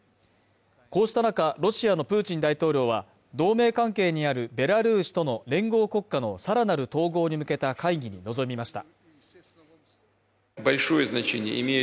こうした中、ロシアのプーチン大統領は同盟関係にあるベラルーシとの連合国家の更なる統合に向けた会議に臨みました。